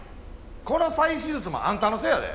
この再手術もあんたのせいやで。